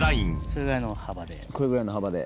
それぐらいの幅で。